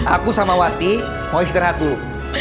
aku sama wati mau istirahat dulu